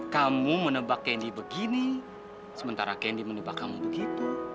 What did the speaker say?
kamu menebak kendi begini sementara kendi menebak kamu begitu